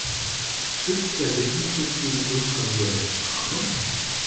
Schützt der Lippenstift gegen ultraviolette Strahlung?